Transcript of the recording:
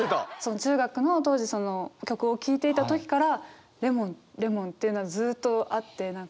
中学の当時曲を聴いていた時からレモンレモンっていうのはずっとあって何か。